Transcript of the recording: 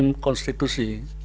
dan penguatkan konstitusi